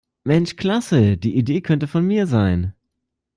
Mensch Klasse, die Idee könnte von mir sein.